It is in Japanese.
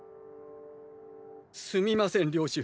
すみません領主。